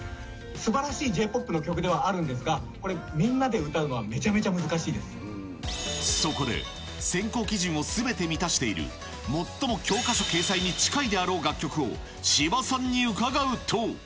すばらしいＪーＰＯＰの曲ではあるんですが、これ、みんなで歌うそこで、選考基準をすべて満たしている、最も教科書掲載に近いであろう楽曲を、柴さんに伺うと。